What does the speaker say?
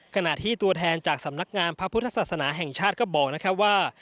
กรณาที่ตัวแทนจากสำนักงานภพุทธศาสนาแห่งชาติก็บอกว่า